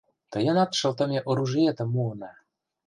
Тыйынат шылтыме оружиетым муына!»